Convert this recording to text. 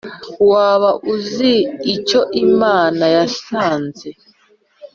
waba uzi icyo imana yasanze